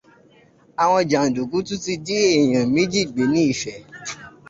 Àwọn jàǹdùkú tún ti jí èèyàn méjì gbé ní Ifẹ̀